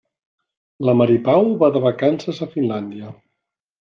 La Mari Pau va de vacances a Finlàndia.